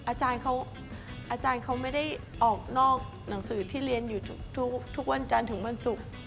อาจารย์เขาอาจารย์เขาไม่ได้ออกนอกหนังสือที่เรียนอยู่ทุกวันจันทร์ถึงวันศุกร์